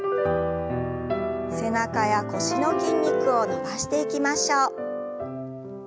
背中や腰の筋肉を伸ばしていきましょう。